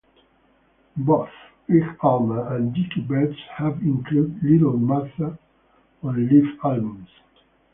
Both Gregg Allman and Dicky Betts have included "Little Martha" on live albums.